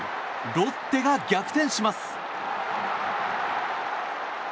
ロッテが逆転します。